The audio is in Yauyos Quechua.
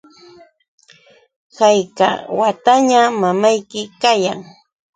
¿hayka wataña mamayki kayan?